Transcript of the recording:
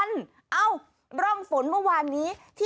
ค่ะคือเมื่อวานี้ค่ะ